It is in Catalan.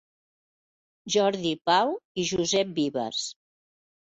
Jordi Pau i Josep Vives.